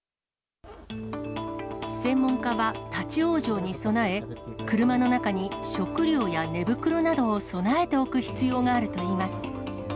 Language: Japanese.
専門家は、立往生に備え、車の中に食料や寝袋などを備えておく必要があるといいます。